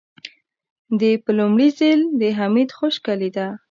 دې په لومړي ځل د حميد خشکه لېده.